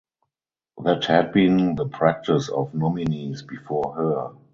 That had been the practice of nominees before her.